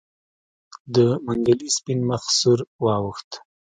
د منګلي سپين مخ سور واوښت.